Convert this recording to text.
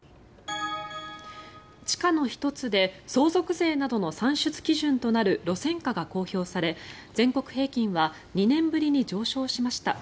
地価の１つで相続税などの算出基準となる路線価が公表され全国平均は２年ぶりに上昇しました。